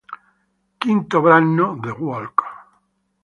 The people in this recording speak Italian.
Quinto brano: "The Walk".